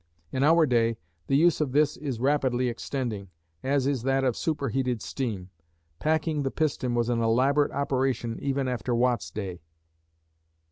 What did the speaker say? In our day, the use of this is rapidly extending, as is that of superheated steam. Packing the piston was an elaborate operation even after Watt's day.